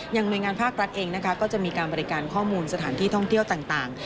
หน่วยงานภาครัฐเองนะคะก็จะมีการบริการข้อมูลสถานที่ท่องเที่ยวต่าง